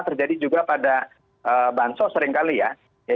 terjadi juga pada bansos seringkali ya